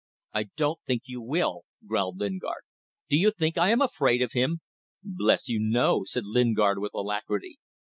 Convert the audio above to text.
"I don't think you will," growled Lingard. "Do you think I am afraid of him?" "Bless you! no!" said Lingard with alacrity.